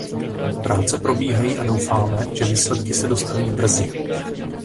Práce probíhají a doufáme, že výsledky se dostaví brzy.